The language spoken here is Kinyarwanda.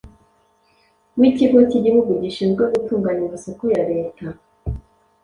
w’Ikigo cy’Igihugu gishinzwe gutunganya amasoko ya Leta